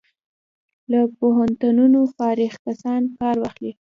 له پوهنتونونو فارغ کسان کار واخلي.